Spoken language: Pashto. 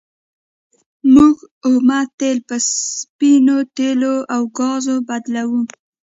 موږ اومه تیل په سپینو تیلو او ګازو بدلوو.